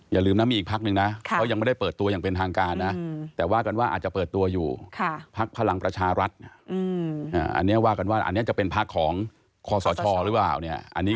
อย่าลืมนะมีอีกพักนึงนะเขายังไม่ได้เปิดตัวอย่างเป็นทางการนะแต่ว่ากันว่าอาจจะเปิดตัวอยู่พักพลังประชารัฐอันนี้ว่ากันว่าอันนี้จะเป็นพักของคอสชหรือเปล่าเนี่ย